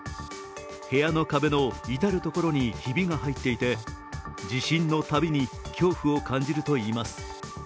部屋の壁の至る所にひびが入っていて地震のたびに恐怖を感じるといいます。